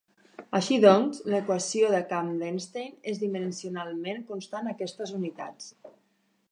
Així doncs, l'equació de camp d'Einstein és dimensionalment constant a aquestes unitats.